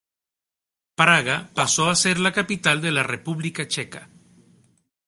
Praga pasó a ser la capital de la República Checa.